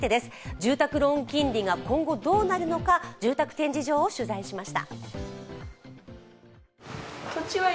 住宅ローン金利が今後どうなるのか、住宅展示場を取材しました。